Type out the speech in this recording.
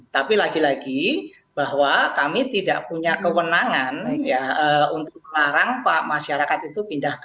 tapi lagi lagi bahwa kami tidak punya kewenangan ya untuk melarang pak masyarakat itu pindah ke